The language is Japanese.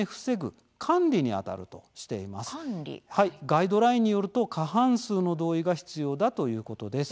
ガイドラインによると過半数の同意が必要だということです。